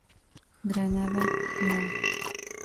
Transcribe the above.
Granada No.